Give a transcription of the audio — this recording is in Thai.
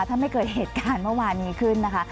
ถ้าไม่เกิดเหตุการณ์เมื่อวานนี้ขึ้นนะคะ